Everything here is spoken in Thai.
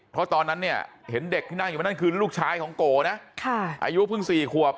เพราะตอนนั้นเนี่ยเห็นเด็กที่นั่งอยู่มานั่นคือลูกชายของโกนะอายุเพิ่ง๔ขวบ